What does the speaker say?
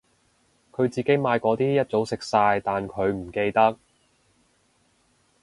佢自己買嗰啲一早食晒但佢唔記得